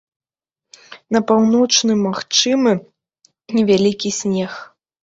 На поўначы магчымы невялікі снег.